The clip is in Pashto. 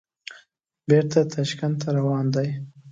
بېرته تاشکند ته روان دي.